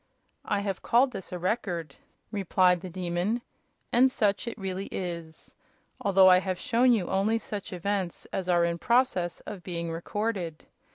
"I have called this a Record," replied the Demon, "and such it really is, although I have shown you only such events as are in process of being recorded.